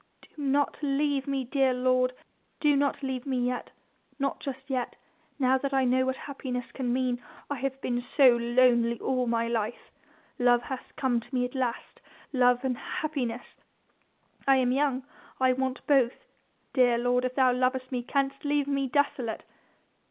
Do not leave me, dear lord ... do not leave me yet ... not just yet ... now that I know what happiness can mean. I have been so lonely all my life.... Love hath come to me at last ... love and happiness.... I am young I want both.... Dear lord, if thou lovest me canst leave me desolate?..."